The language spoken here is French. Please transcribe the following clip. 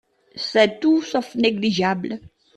C’est tout sauf négligeable.